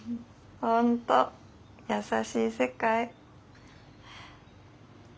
本当優しい世界。